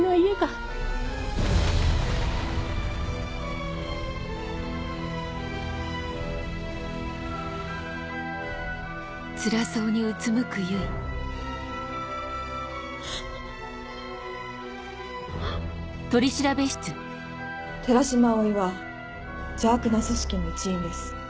爆発音寺島葵は邪悪な組織の一員です。